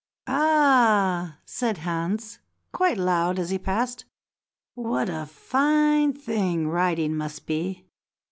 "Ah!" said Hans quite loud as he passed, "what a fine thing riding must be.